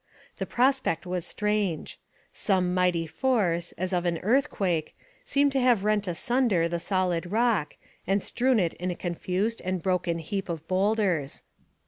The prospect was strange. Some mighty force, as of an earthquake, seemed to have rent asunder the solid rock and strewn it in a confused and broken heap of boulders.